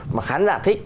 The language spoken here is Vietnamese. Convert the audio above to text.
mà khán giả thích